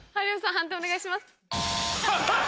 判定お願いします。